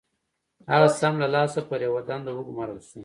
هغه سم له لاسه پر يوه دنده وګومارل شو.